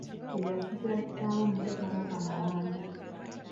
Ye yasikira kitaawe omuto Kabaka Mawanda.